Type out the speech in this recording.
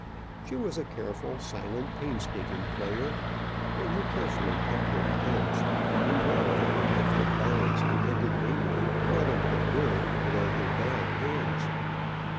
She was a careful, silent, painstaking player, one who carefully kept her accounts, and knew well that the monthly balance depended mainly, not on her good, but on her bad hands.